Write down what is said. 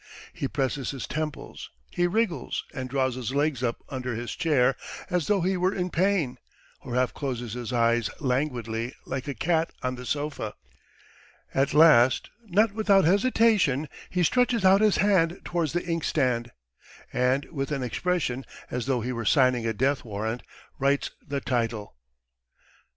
... He presses his temples, he wriggles, and draws his legs up under his chair as though he were in pain, or half closes his eyes languidly like a cat on the sofa. At last, not without hesitation, he stretches out his hand towards the inkstand, and with an expression as though he were signing a death warrant, writes the title.